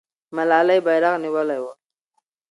ملالۍ بیرغ نیولی وو.